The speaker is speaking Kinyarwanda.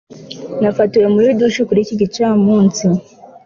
nafatiwe muri douche kuri iki gicamunsi